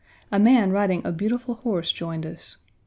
A man riding a beautiful horse joined us.